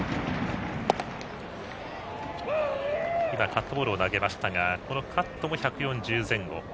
カットボールを投げましたがこのカットも１４０キロ前後。